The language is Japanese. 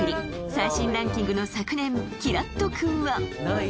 最新ランキングの昨年きらっと君は何位？